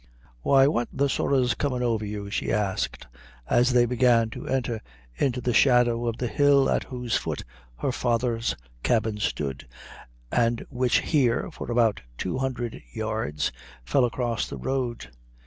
"Why, what the sorra's comin' over you?" she asked, as they began to enter into the shadow of the hill at whose foot her father's cabin stood, and which here, for about two hundred yards, fell across the road.